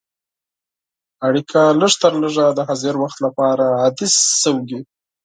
اړیکې لږترلږه د حاضر وخت لپاره عادي شوې.